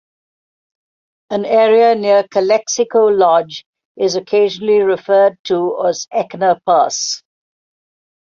An area near Calexico Lodge is occasionally referred to as Eckener Pass.